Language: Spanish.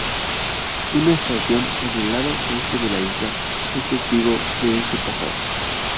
Una estación en el lado este de la isla es testigo de ese pasado.